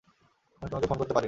আমি তোমাকে ফোন করতে পারিনি।